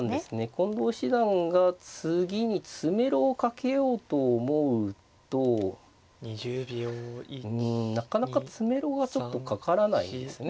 近藤七段が次に詰めろをかけようと思うとうんなかなか詰めろがちょっとかからないですね。